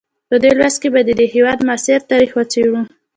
په دې لوست کې به د دې هېواد معاصر تاریخ وڅېړو.